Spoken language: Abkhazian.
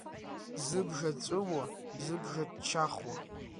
Зыбжа ҵәыуо, зыбжа ччахуа…